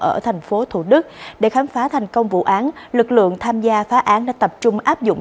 ở thành phố thủ đức để khám phá thành công vụ án lực lượng tham gia phá án đã tập trung áp dụng